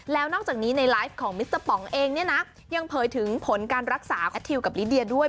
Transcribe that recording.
แล้วนอกจากนี้ในไลฟ์ของมิสเตอร์ป๋องเองเนี่ยนะยังเผยถึงผลการรักษาแททิวกับลิเดียด้วย